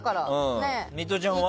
ミトちゃんは？